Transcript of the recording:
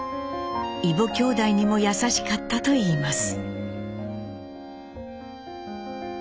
異母きょうだいにも優しかったといいます。